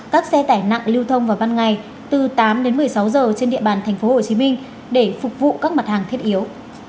các xe tải nặng lưu thông vào ban ngày từ tám đến một mươi sáu giờ trên địa bàn tp hcm để phục vụ các mặt hàng thiết yếu